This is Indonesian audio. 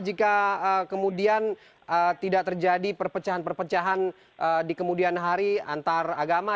jika kemudian tidak terjadi perpecahan perpecahan di kemudian hari antar agama